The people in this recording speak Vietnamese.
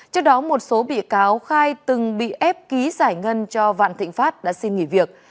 trước đó một số bị cáo khai từng bị ép ký giải ngân cho vạn thịnh pháp đã xin nghỉ việc